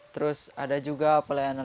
terus ada juga pelayanan pelayanan yang dibawa